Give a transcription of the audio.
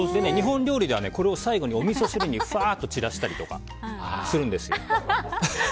日本料理ではこれを最後におみそ汁に散らしたりとかするんですよ。